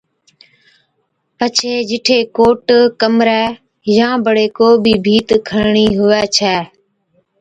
پڇي جِٺي ڪوٽ، ڪمرَي يان بڙي ڪوبِي ڀِيت کڻڻِي هُوَي ڇَي